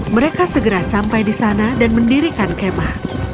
mereka segera sampai di sana dan mendirikan kemah